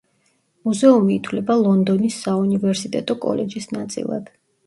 მუზეუმი ითვლება ლონდონის საუნივერსიტეტო კოლეჯის ნაწილად.